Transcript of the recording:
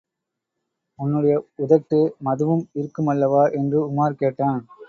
உன்னுடைய உதட்டு மதுவும் இருக்குமல்லவா? என்று உமார் கேட்டான்.